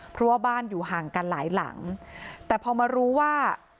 เพราะว่าบ้านอยู่ห่างกันหลายหลังแต่พอมารู้ว่า